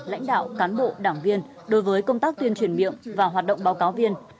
lãnh đạo cán bộ đảng viên đối với công tác tuyên truyền miệng và hoạt động báo cáo viên